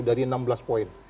ada dua poin